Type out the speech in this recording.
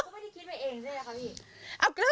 แต่เราก็ไม่ได้คิดไว้เองใช่ไหมค่ะพี่